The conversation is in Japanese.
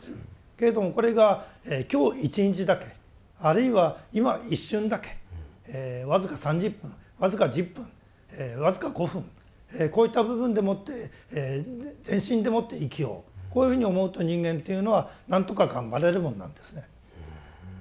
けれどもこれが今日一日だけあるいは今一瞬だけ僅か３０分僅か１０分僅か５分こういった部分でもって全身でもって生きようこういうふうに思うと人間というのは何とか頑張れるものなんですね。